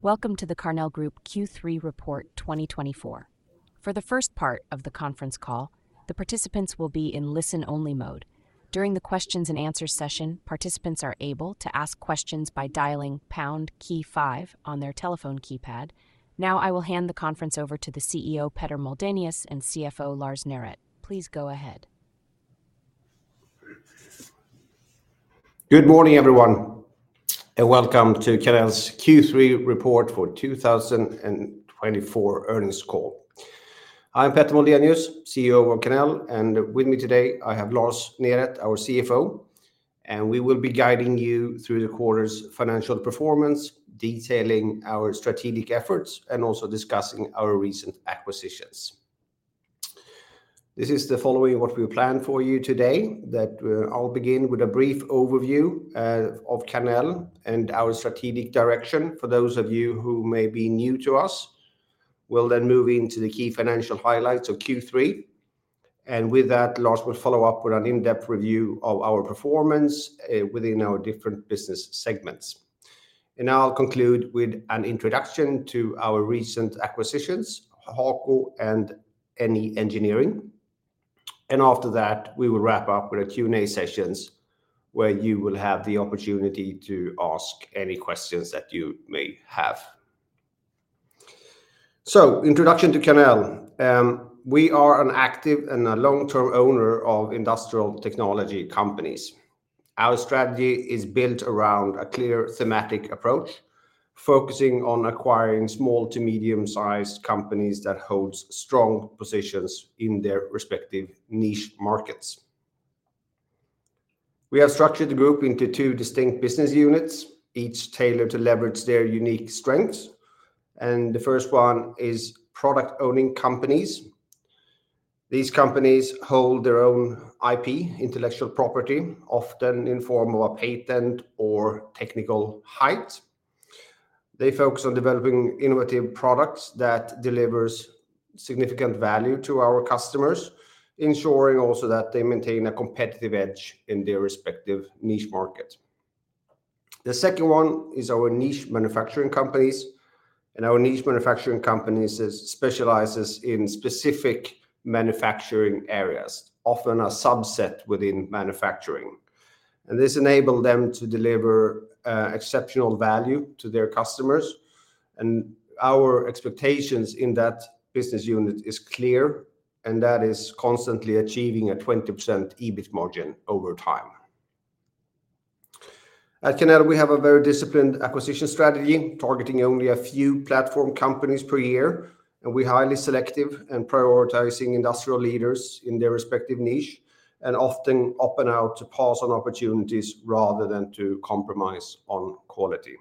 Welcome to the Karnell Group Q3 Report 2024. For the first part of the conference call, the participants will be in listen only mode. During the questions and answers session, participants are able to ask questions by dialing key 5 on their telephone keypad. Now I will hand the conference over to the CEO Petter Moldenius and CFO Lars Neret. Please go ahead. Good morning everyone and welcome to Karnell's Q3 report for 2024 earnings call. I'm Petter Moldenius, CEO of Karnell, and with me today I have Lars Neret, our CFO, and we will be guiding you through the quarter's financial performance, detailing our strategic efforts and also discussing our recent acquisitions. This is the following what we planned for you today that I'll begin with a brief overview of Karnell and our strategic direction for those of you who may be new to us. We'll then move into the key financial highlights of Q3 and with that Lars will follow up with an in-depth review of our performance within our different business segments. Now I'll conclude with an introduction to our recent acquisitions Haku and NE Engineering and after that we will wrap up with a Q and A sessions where you will have the opportunity to ask any questions that you may have. Introduction to Karnell. We are an active and a long-term owner of industrial technology companies. Our strategy is built around a clear thematic approach focusing on acquiring small- to medium-sized companies that holds small strong positions in their respective niche markets. We have structured the group into two distinct business units, each tailored to leverage their unique strengths, and the first one is product-owning companies. These companies hold their own IP intellectual property, often in form of a patent or technical know-how. They focus on developing innovative products that deliver significant value to our customers, ensuring also that they maintain a competitive edge in their respective niche market. The second one is our niche manufacturing companies and our niche manufacturing companies specializes in specific manufacturing areas, often a subset within manufacturing, and this enabled them to deliver exceptional value to their customers and our expectations in that business unit is clear and that is constantly achieving a 20% EBIT margin over time. At Karnell we have a very disciplined acquisition strategy targeting only a few platform companies per year and we're highly selective and prioritizing industrial leaders in their respective niche and often up and out to pass on opportunities rather than to compromise on quality.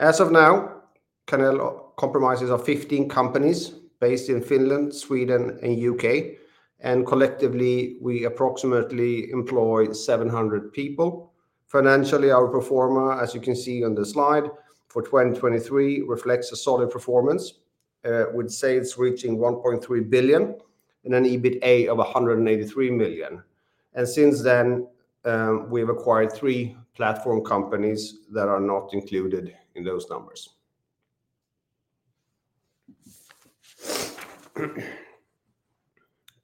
As of now, Karnell comprises 15 companies based in Finland, Sweden and UK and collectively we approximately employ 700 people financially. Our performance, as you can see on the slide for 2023 reflects a solid performance with sales reaching 1.3 billion and an EBITA of 183 million. And since then we've acquired three platform companies that are not included in those numbers.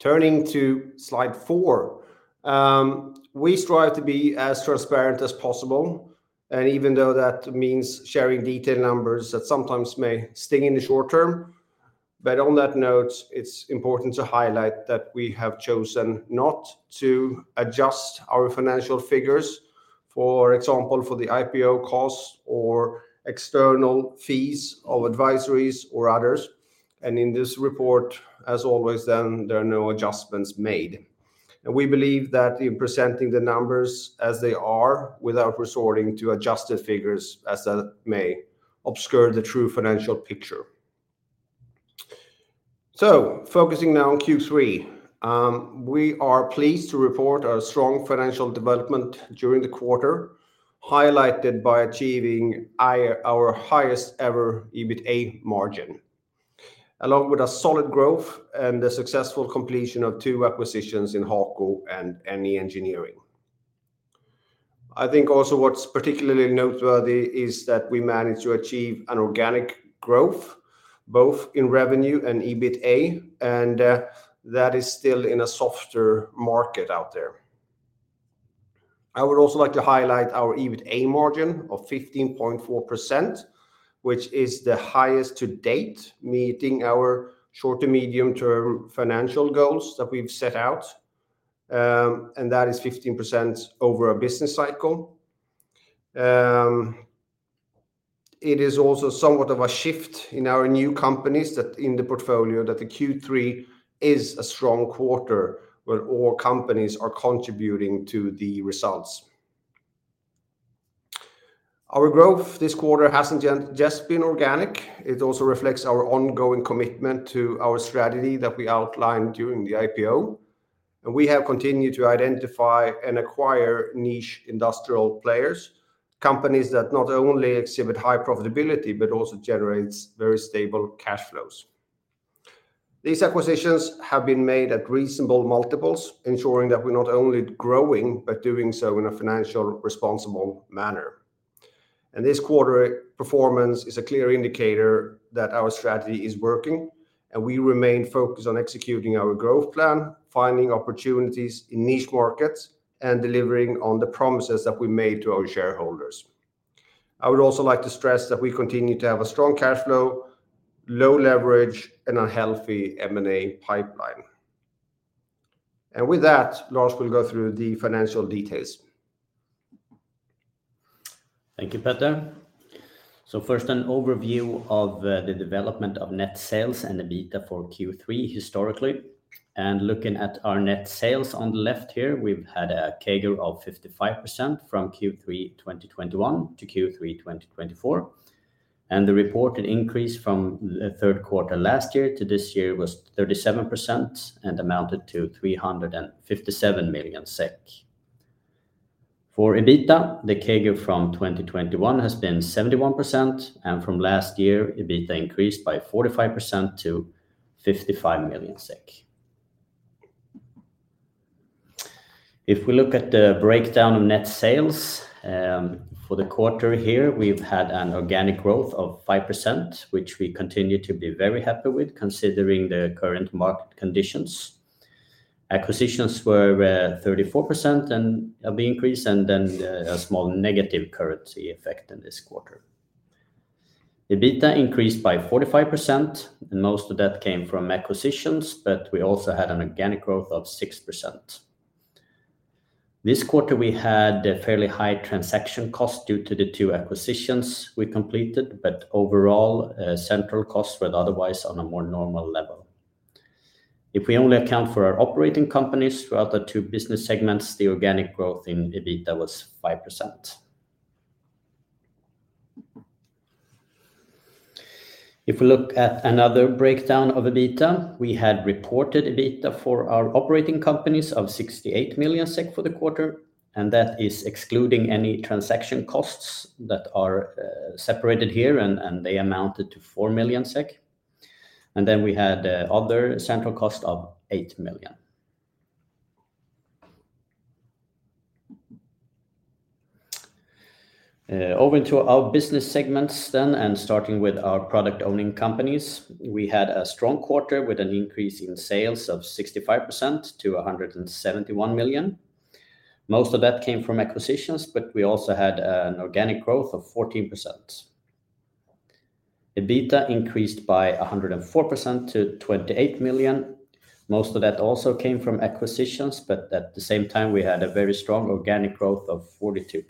Turning to Slide 4, we strive to be as transparent as possible and even though that means sharing detailed numbers, that sometimes may still in the short term. But on that note, it's important to highlight that we have chosen not to adjust our financial figures, for example for the IPO costs or external fees of advisories or others. And in this report, as always, then there are no adjustments made and we believe that in presenting the numbers as they are without resorting to adjusted figures as that may obscure the true financial picture. Focusing now on Q3, we are pleased to report our strong financial development during the quarter, highlighted by achieving our highest ever EBITA margin, along with a solid growth and the successful completion of two acquisitions in Haku and NE Engineering. Also what's particularly noteworthy is that we managed to achieve an organic growth both in revenue and EBITDA, and that is still in a softer market out there. I would also like to highlight our EBITA margin of 15.4%, which is the highest to date meeting our short to medium term financial goals that we've set out, and that is 15% over a business cycle. It is also somewhat of a shift in our new companies in the portfolio that the Q3 is a strong quarter where all companies are contributing to the results. Our growth this quarter hasn't just been organic. It also reflects our ongoing commitment to our strategy that we outlined during the IPO. And we have continued to identify and acquire niche industrial players, companies that not only exhibit high profitability but also generates very stable cash flows. These acquisitions have been made at reasonable multiples, ensuring that we're not only growing but doing so in a financial responsible manner. And this quarter performance is a clear indicator that our strategy is working and we remain focused on executing our growth plan, finding opportunities in niche markets and delivering on the promises that we made to our shareholders. I would also like to stress that we continue to have a strong cash flow, low leverage and a healthy M&A pipeline. And with that, Lars will go through the financial details. Thank you, Petter. First, an overview of the development of net sales and EBITDA for Q3 historically and looking at our net sales on the left here. We've had a CAGR of 55% from Q3 2021-Q3 2024 and the reported increase from the third quarter last year to this year was 37% and amounted to 357 million SEK for EBITDA. The CAGR from 2021 has been 71%, and from last year EBITDA increased by 45% to SEK 55 million. If we look at the breakdown of net sales for the quarter here we've had an organic growth of 5% which we continue to be very happy with considering the current market conditions. Acquisitions were 34% of the increase and then a small negative currency effect. In this quarter, EBITDA increased by 45% and most of that came from acquisitions, but we also had an organic growth of 6% this quarter. We had fairly high transaction cost due to the two acquisitions we completed, but overall central costs were otherwise on a more normal level. If we only account for our operating companies throughout the two business segments, the organic growth in EBITDA was 5%. If we look at another breakdown of EBITDA, we had reported EBITDA for our operating companies of 68 million SEK for the quarter and that is excluding any transaction costs that are separated here. And they amounted to 4.4 million SEK. And then we had other central cost of 8 million. Over into our business segments then. And starting with our product owning companies, we had a strong quarter with an increase in sales of 65% to 171 million. Most of that came from acquisitions, but we also had an organic growth of 14%. EBITDA increased by 104% to 28 million. Most of that also came from acquisitions, but at the same time we had a very strong organic growth of 42%.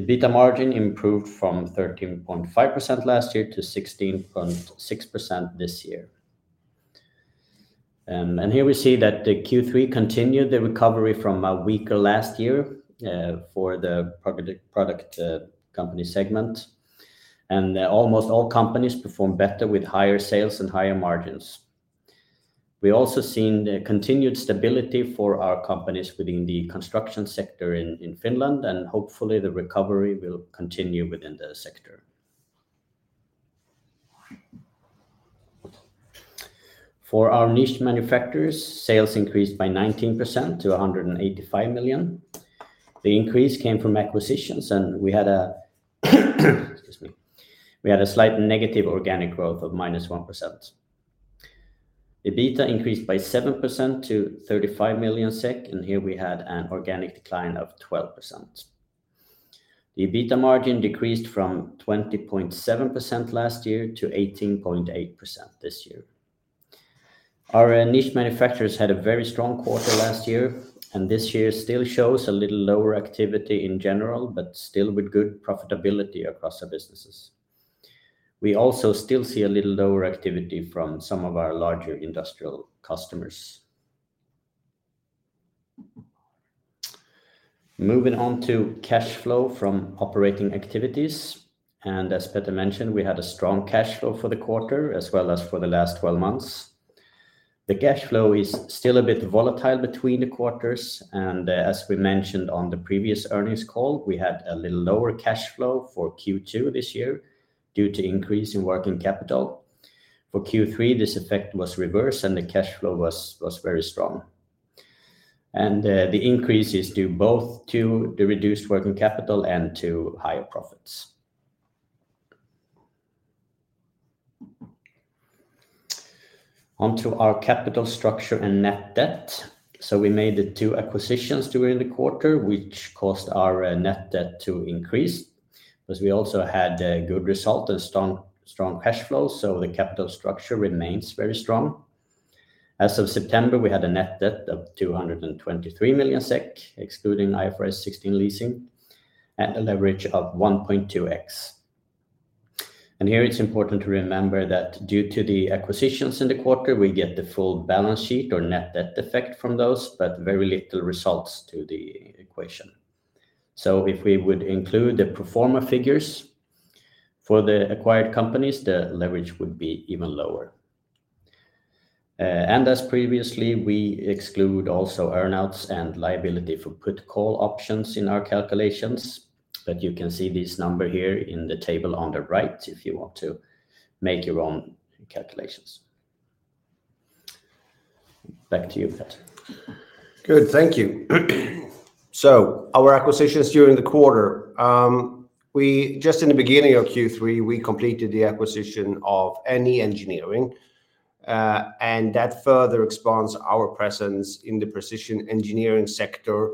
EBITDA margin improved from 13.5% last year to 16.6% this year. And here we see that the Q3 continued the recovery from weaker last year for the product company segment and almost all companies perform better with higher sales and higher margins. We also seen continued stability for our companies within the construction sector in Finland and hopefully the recovery will continue within the sector. For our niche manufacturers, sales increased by 19% to 185 million. The increase came from acquisitions and we had a slight negative organic growth of -1%. EBITDA increased by 7% to 35 million SEK. Here we had an organic decline of 12%. The EBITDA margin decreased from 20.7% last year to 18.8% this year. Our niche manufacturers had a very strong quarter last year and this year still shows a little lower activity in general, but still with good profitability across our businesses. We also still see a little lower activity from some of our larger industrial customers. Moving on to cash flow from operating activities. As Peter mentioned, we had a strong cash flow for the quarter as well as for the last 12 months. The cash flow is still a bit volatile between the quarters. As we mentioned on the previous earnings call, we had a little lower cash flow for Q2 this year due to increase in working capital. For Q3 this effect was reversed and the cash flow was very strong. The increase is due both to the reduced working capital and to higher profits. Onto our capital structure and net debt. We made the two acquisitions during the quarter which caused our net debt to increase because we also had a good result and strong cash flow. The capital structure remains very strong. As of September we had a net debt of 223 million SEK excluding IFRS 16 leasing and a leverage of 1.2x. Here it's important to remember that due to the acquisitions in the quarter we get the full balance sheet or net debt effect from those but very little results to the equation. If we would include the pro forma figures for the acquired companies, the leverage would be even lower. As previously we exclude also earnouts and liability for put call options in our calculations. But you can see this number here in the table on the right if you want to make your own calculations. Back to you. Good, thank you. Our acquisitions during the quarter we just in the beginning of Q3 we completed the acquisition of NE Engineering and that further expands our presence in the precision engineering sector.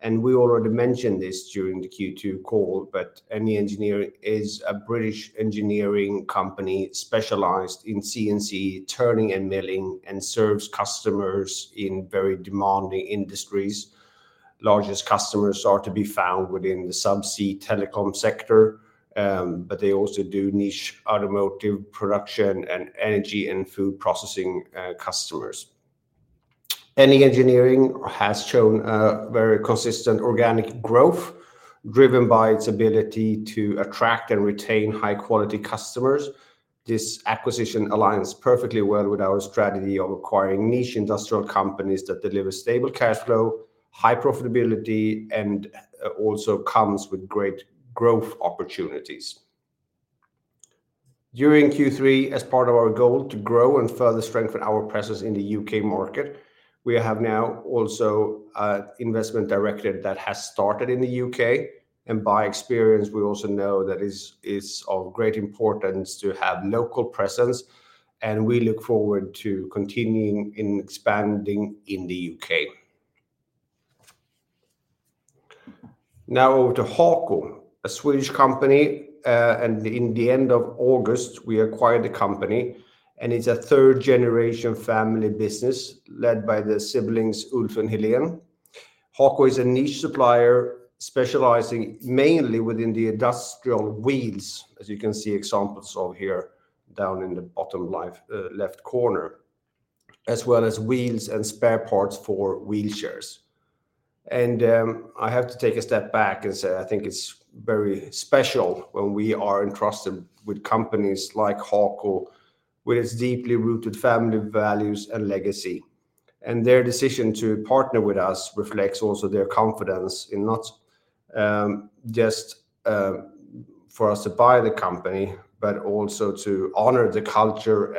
And we already mentioned this during the Q2 call but NE Engineering is a British engineering company specialized in CNC, turning and milling and serves customers in very demanding industries. Largest customers are to be found within the subsea telecom sector, but they also do niche automotive production and energy and food processing customers. NE Engineering has shown a very consistent organic growth driven by its ability to attract and retain high quality customers. This acquisition aligns perfectly well with our strategy of acquiring niche industrial companies that deliver stable cash flow, high profitability and also comes with great growth opportunities. During Q3, as part of our goal to grow and further strengthen our presence in the U.K. market, we have now also investment director that has started in the U.K., and by experience we also know that is of great importance to have local presence, and we look forward to continuing in expanding in the U.K. Now over to Haku, a Swedish company, and in the end of August we acquired the company and it's a third generation family business led by the siblings Ulf and Heljan. Haco is a niche supplier specializing mainly within the industrial wheels as you can see examples of here down in the bottom left corner as well as wheels and spare parts for wheelchairs, and I have to take a step back and say it's very special when we are entrusted by companies like Haco with its deeply rooted family values and legacy and their decision to partner with us reflects also their confidence in not just for us to buy the company but also to honor the culture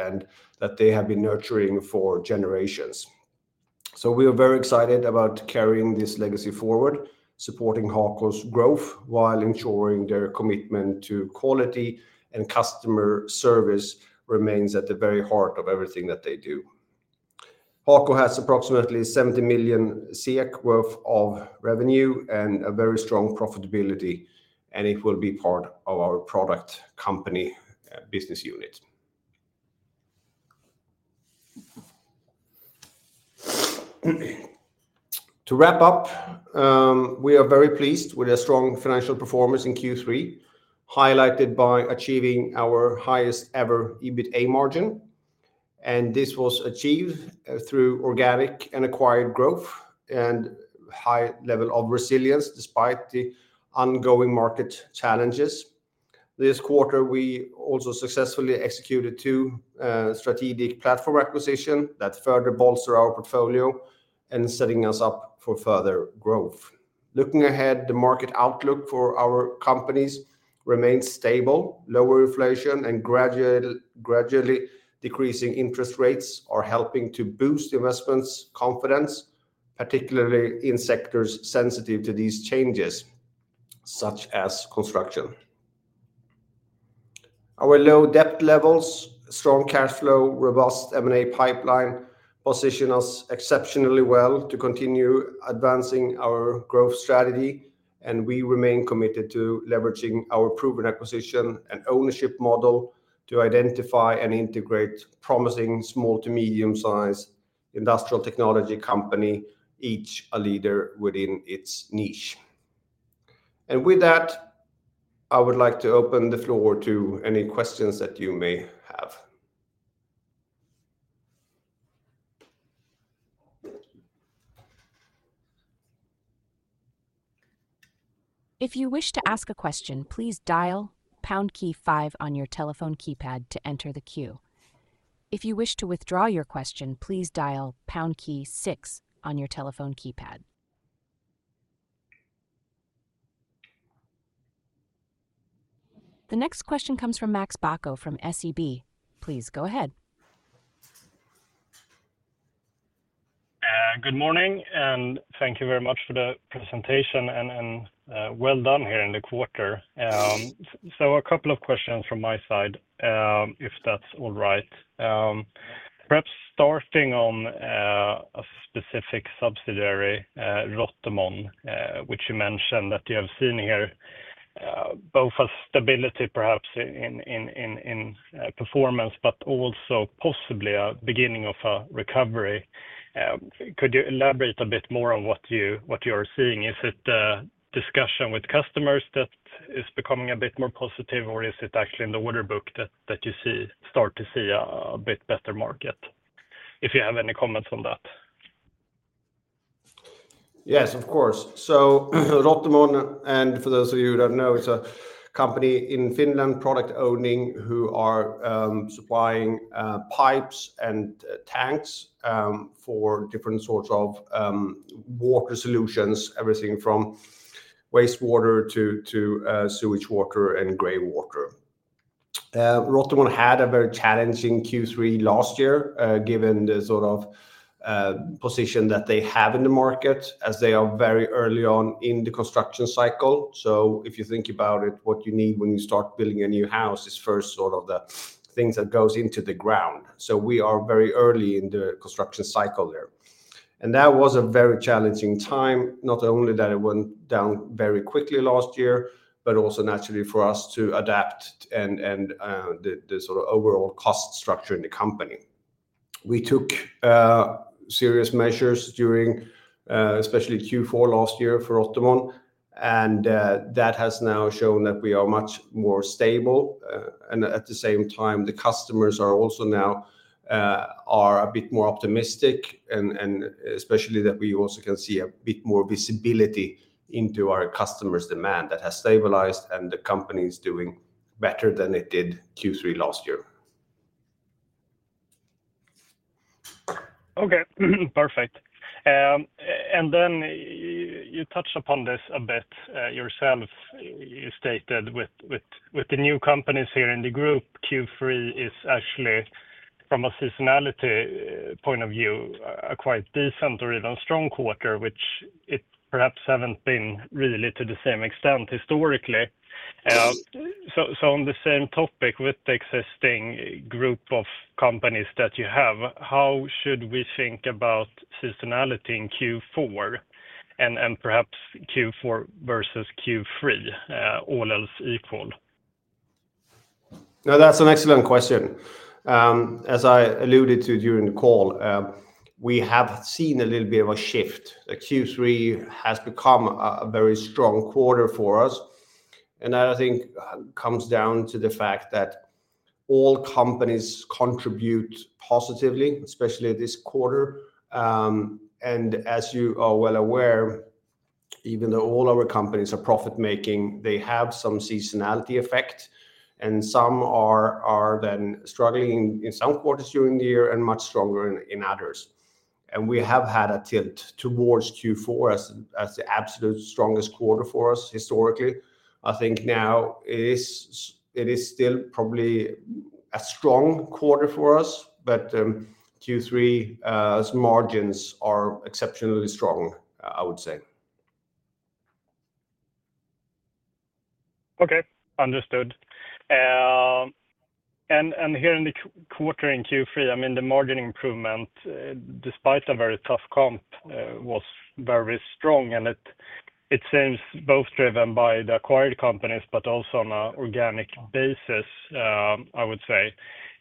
that they have been nurturing for generations. So we are very excited about carrying this legacy forward. Supporting Haco's growth while ensuring their commitment to quality and customer service remains at the very heart of everything that they do. Haku has approximately 70 million SEK worth of revenue and a very strong profitability, and it will be part of our product company business unit. To wrap up. We are very pleased with a strong financial performance in Q3, highlighted by achieving our highest ever EBITA margin, and this was achieved through organic and acquired growth and high level of resilience. Despite the ongoing market challenges this quarter, we also successfully executed two strategic platform acquisitions that further bolster our portfolio and setting us up for further growth. Looking ahead, the market outlook for our companies remains stable. Lower inflation and gradually decreasing interest rates are helping to boost investment confidence, particularly in sectors sensitive to these changes such as construction. Our low debt levels, strong cash flow, robust M&A pipeline position us exceptionally well to continue advancing our growth strategy, and we remain committed to leveraging our proven acquisition and ownership model to identify and integrate promising small- to medium-sized industrial technology companies, each a leader within its niche. With that, I would like to open the floor to any questions that you may have. If you wish to ask a question, please dial on your telephone keypad to enter the queue. If you wish to withdraw your question, please dial key 6 on your telephone keypad. The next question comes from Max Bäck from SEB. Please go ahead. Good morning and thank you very much for the presentation and well done here in the quarter, so a couple of questions from my side if that's all right. Perhaps starting on a specific subsidiary Rotomon, which you mentioned that you have seen here both as stability perhaps in performance, but also possibly a beginning of a recovery. Could you elaborate a bit more on what you are seeing? Is it discussion with customers that is becoming a bit more positive or is it actually in the order book that you start to see a bit better market? If you have any comments on that? Yes, of course. Rotomon, and for those of you who don't know, it's a company in Finland, product owning who are supplying pipes and tanks for different sorts of water solutions. Everything from wastewater to sewage water and gray water. Rotomon had a very challenging Q3 last year given the position that they have in the market as they are very early on in the construction cycle. If you think about it, what you need when you start building a new house is first sort of the things that goes into the ground. We are very early in the construction cycle there and that was a very challenging time. Not only that it went down very quickly last year, but also naturally for us to adapt and the sort of overall cost structure in the company. We took serious measures during especially Q4 last year for Rotomon and that has now shown that we are much more stable. And at the same time the customers are also now a bit more optimistic and especially that we also can see a bit more visibility into our customers' demand that has stabilized and the company is doing better than it did Q3 last year. Okay, perfect. And then you touched upon this a bit yourself. You stated with the new companies here in the group, Q3 is actually from a seasonality point of view, a quite decent or even strong quarter, which it perhaps haven't been really to the same extent historically. On the same topic with the existing group of companies that you have, how should we think about seasonality in Q4 and perhaps Q4 versus Q3, all else equal. Now that's an excellent question. As I alluded to during the call, we have seen a little bit of a shift. Q3 has become a very strong quarter for us and that comes down to the fact that all companies contribute positively, especially this quarter. And as you are well aware, even though all our companies are profit making, they have some seasonality effect and some are then struggling in some quarters during the year and much stronger in others. And we have had a tilt towards Q4 as the absolute strongest quarter for us historically. Now it is still probably a strong quarter for us, but Q3 margins are exceptionally strong, I would say. Okay, understood. And here in the quarter in Q3, the margin improvement despite a very tough comp was very strong and it seems both driven by the acquired companies, but also on an organic basis, I would say.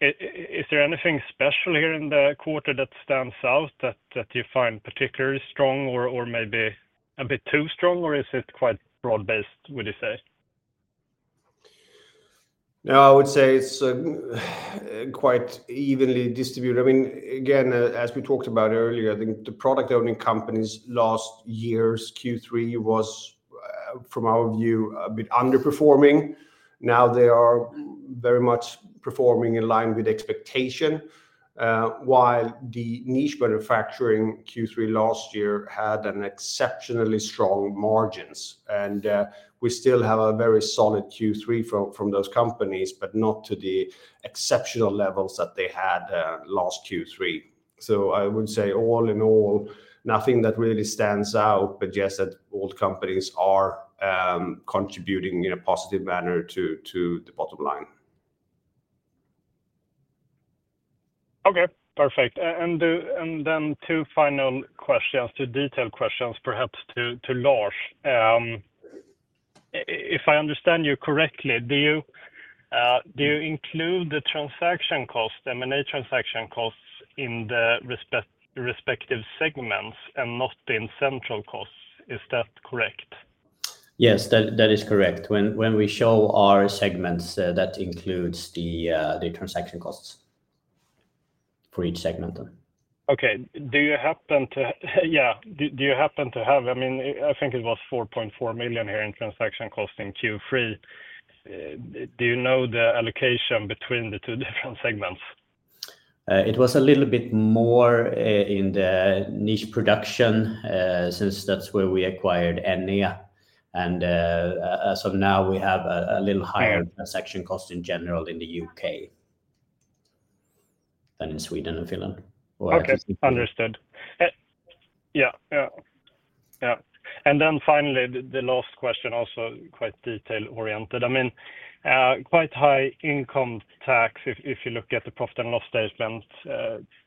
Is there anything special here in the quarter that stands out that you find particularly strong or maybe a bit too strong? Or is it quite broad based, would you say? Now I would say it's quite evenly distributed. Again, as we talked about earlier, the product owning companies last year Q3 was from our view a bit underperforming now, they are very much performing in line with expectation, while the niche manufacturing Q3 last year had an exceptionally strong margins. And we still have a very solid Q3 from those companies, but not to the exceptional levels that they had last Q3. I would say, all in all, nothing that really stands out, but just that old companies are contributing in a positive manner to the bottom line. Okay, perfect. And then two final questions, two detailed questions perhaps to Lars. If I understand you correctly, do you include the transaction cost, M and A transaction costs in the respective segments and not in central costs? Is that correct? Yes, that is correct. When we show our segments, that includes the transaction costs for each segment. Do you happen to have? It was 4.4 million here in transaction cost in Q3. Do you know the allocation between the two different segments? It was a little bit more in the niche production, since that's where we acquired NE, and so now we have a little higher transaction cost in general in the U.K. than in Sweden and Finland. Okay, understood. Yeah. And then finally the last question, also quite detail-oriented. Quite high income tax, if you look at the profit and loss statement,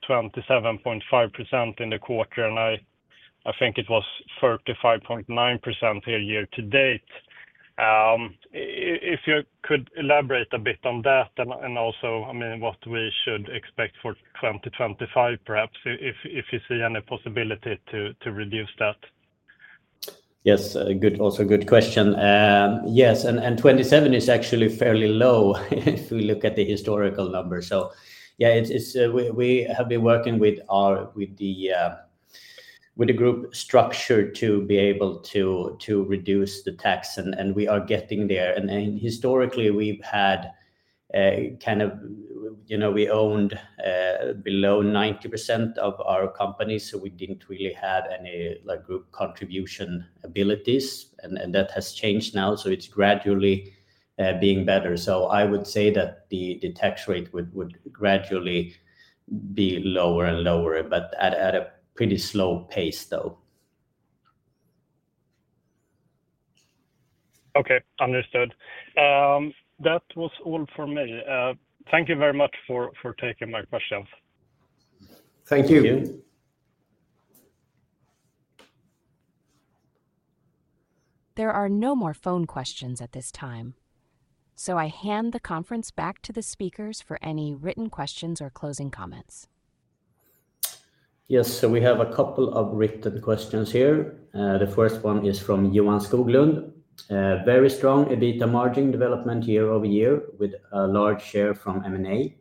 27.5% in the quarter. And it was 35.9% here year to date. If you could elaborate a bit on that. What we should expect for 2025, perhaps, if you see any possibility to reduce that. Yes, also good question. Yes. And 27% is actually fairly low if we look at the historical numbers. So, yeah, we have been working with the, with a group structure to be able to reduce the tax. And we are getting there. And historically we've had kind of, you know, we owned below 90% of our company, so we didn't really have any, like, group contribution abilities. And that has changed now, so it's gradually being better. So I would say that the tax rate would gradually be lower and lower, but at a pretty slow pace, though. Okay, understood. That was all for me. Thank you very much for taking my questions. Thank you. There are no more phone questions at this time, so I hand the conference back to the speakers for any written questions or closing comments. Yes, so we have a couple of written questions here. The first one is from Johan Skoglund. Very strong EBITDA margin development year over year with a large share from M&A.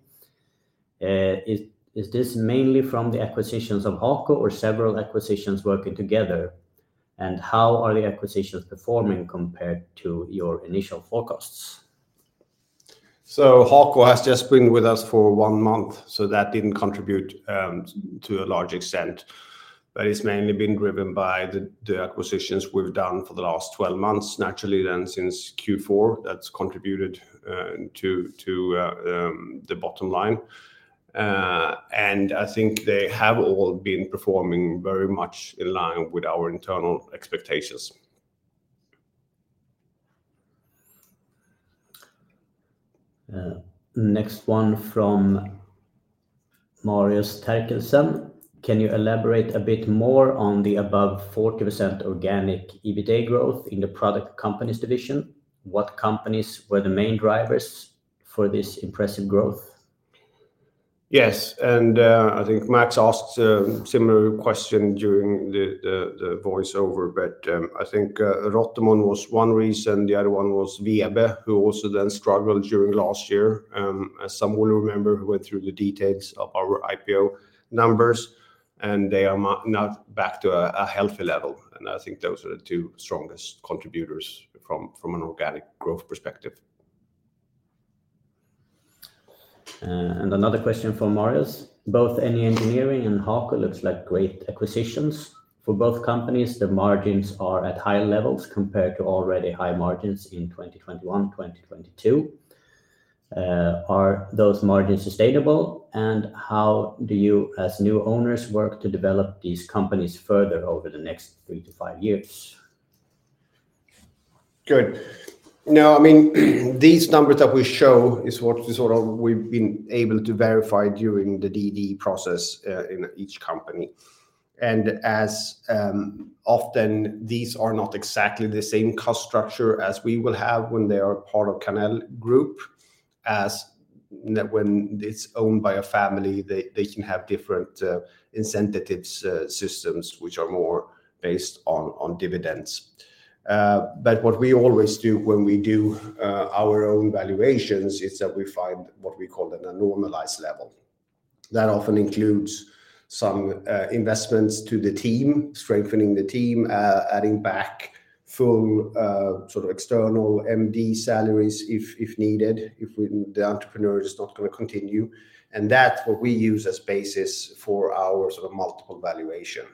Is this mainly from the acquisitions of Haco or several acquisitions working together? And how are the acquisitions performing compared to your initial forecasts? Haco has just been with us for one month. So that didn't contribute to a large extent, but it's mainly been driven by the acquisitions we've done for the last 12 months. Naturally then since Q4 that's contributed to the bottom line and they have all been performing very much in line with our internal expectations. Next one from Marius. Can you elaborate a bit more on the above 40% organic EBITDA growth in the product companies division? What companies were the main drivers for this impressive growth? Yes, and Max asked a similar question during the voiceover, but Rotomon was one reason. The other one was Vebe who also then struggled during last year as some will remember who went through the details of our IPO numbers and they are now back to a healthy level. And those are the two strongest contributors from an organic growth perspective. Another question for Marius, both NE Engineering and Haco looks like great acquisitions for both companies. The margins are at high levels compared to already high margins in 2021, 2022. Are those margins sustainable and how do you as new owners work to develop these companies further over the next three to five years? Good. No, these numbers that we show is what we've been able to verify during the DD process in each company, and as often these are not exactly the same cost structure as we will have when they are part of Karnell Group as when it's owned by a family. They can have different incentives systems which are more based on dividends. But what we always do when we do our own valuations is that we find what we call a normalized level that often includes some investments to the team, strengthening the team, adding back full sort of external MD salaries if needed if the entrepreneur is not going to continue, and that's what we use as basis for our sort of multiple valuation.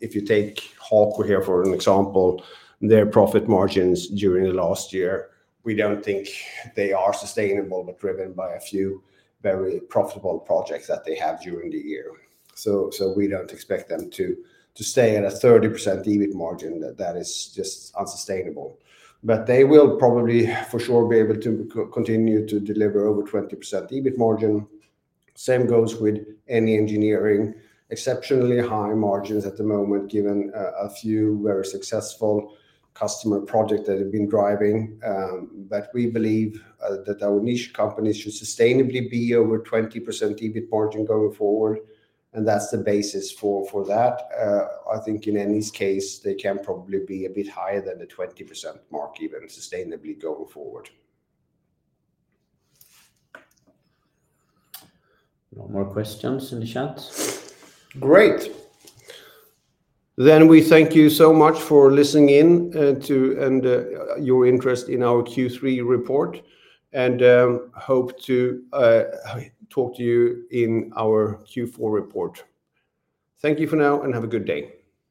If you take Haco here for an example, their profit margins during the last year, we don't think they are sustainable, but driven by a few very profitable projects that they have during the year. So we don't expect them to stay at a 30% EBIT margin that is just unsustainable, but they will probably for sure be able to continue to deliver over 20% EBIT margin. Same goes with NE Engineering exceptionally high margins at the moment given a few very successful customer project that have been driving. But we believe that our niche companies should sustainably be over 20% EBIT margin going forward. And that's the basis for that in any case they can probably be a bit higher than the 20% mark even sustainably going forward. No more questions in the chat. Great. Then we thank you so much for listening in to and your interest in our Q3 report and hope to talk to you in our Q4 report. Thank you for now and have a good day.